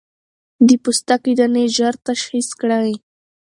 د پوستکي دانې ژر تشخيص کړئ.